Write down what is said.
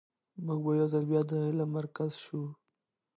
موږ به یو ځل بیا د علم مرکز شو.